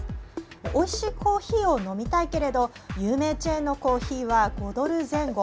おいしいコーヒーを飲みたいけれど有名チェーンのコーヒーは５ドル前後。